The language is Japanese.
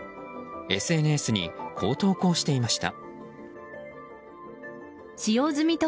ＳＮＳに、こう投稿していました。